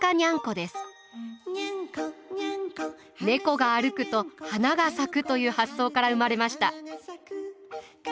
猫が歩くと花が咲くという発想から生まれました。